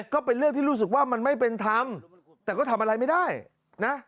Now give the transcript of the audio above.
ก็เป็นเรื่องที่รู้สึกว่ามันไม่เป็นธรรมแต่ก็ทำอะไรไม่ได้นะ